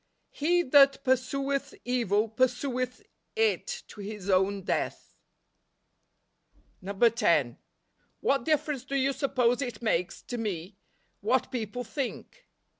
" He that pursueth evil pursueth it to his own death." NOVEMBER. 127 10. '' What difference do you suppose it makes to me what people think